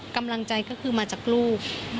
กำลังใจก็คือมาจากลูก